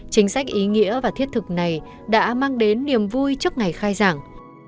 chính sách ý nghĩa và thiết thực này đã mang đến niềm vui trước ngày khai giảng